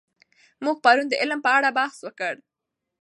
موږ پرون د علم په اړه بحث وکړ.